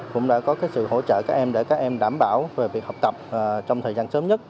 cũng đã có sự hỗ trợ các em để các em đảm bảo về việc học tập trong thời gian sớm nhất